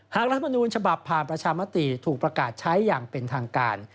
รัฐมนูญฉบับผ่านประชามติถูกประกาศใช้อย่างเป็นทางการ